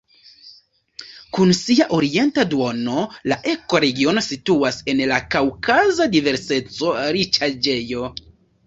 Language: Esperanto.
Kun sia orienta duono la ekoregiono situas en la kaŭkaza biodiverseco-riĉaĵejo.